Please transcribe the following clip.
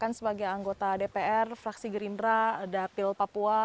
kan sebagai anggota dpr fraksi gerindra dapil papua